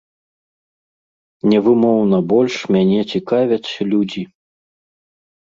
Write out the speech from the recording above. Невымоўна больш мяне цікавяць людзі.